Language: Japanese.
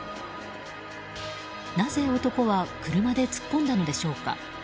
なぜ男は車で突っ込んだのでしょうか。